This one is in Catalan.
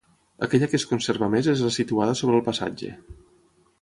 Aquella que es conserva més és la situada sobre el passatge.